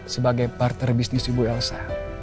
sebagai partner bisnis ibu elsa